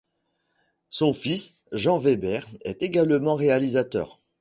Son fils, Jean Veber, est également réalisateur.